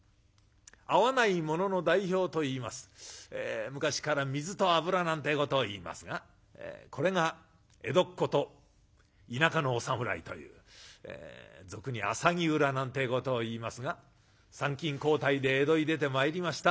合わないものの代表といいますと昔から「水と油」なんてえことをいいますがこれが江戸っ子と田舎のお侍という俗に「浅葱裏」なんてえことをいいますが参勤交代で江戸へ出てまいりました